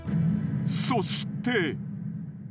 ［そして］